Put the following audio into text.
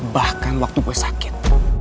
bahkan waktu gue sakit